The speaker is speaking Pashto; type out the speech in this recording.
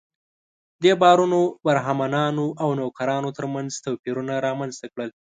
دې باورونو برهمنانو او نوکرانو تر منځ توپیرونه رامنځته کړل.